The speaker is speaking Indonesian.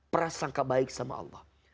prasangka baik sama allah